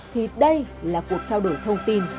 thì đây là cuộc trao đổi thông tin